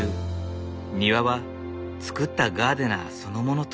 「庭は造ったガーデナーそのもの」と。